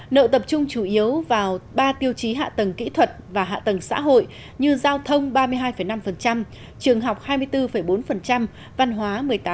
nợ tập trung chủ yếu vào ba tiêu chí hạ tầng kỹ thuật và hạ tầng xã hội như giao thông ba mươi hai năm trường học hai mươi bốn bốn văn hóa một mươi tám